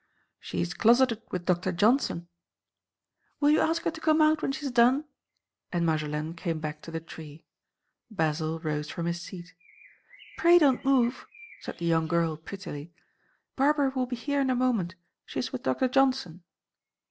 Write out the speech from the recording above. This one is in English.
"She's closeted with Doctor Johnson." "Will you ask her to come out when she's done?" and Marjolaine came back to the tree. Basil rose from his seat. "Pray don't move," said the young girl, prettily, "Barbara will be here in a moment. She is with Doctor Johnson."